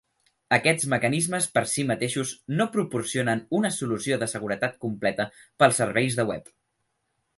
Aquests mecanismes per si mateixos no proporcionen una solució de seguretat completa pels serveis de web.